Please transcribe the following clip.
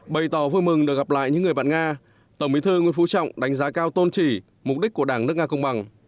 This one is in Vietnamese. bày tỏ vui mừng được gặp lại những người bạn nga tổng bí thư nguyễn phú trọng đánh giá cao tôn chỉ mục đích của đảng nước nga công bằng